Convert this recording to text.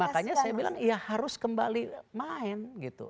makanya saya bilang ya harus kembali main gitu